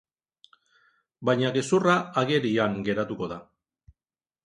Baina gezurra agerian geratuko da.